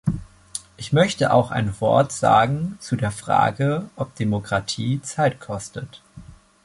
Ich möchte auch ein Wort sagen zu der Frage, ob Demokratie Zeit kostet.